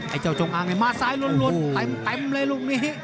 ไอ้เจ้าจงอางมาซ้ายล้นเต็มเลยลูกนี้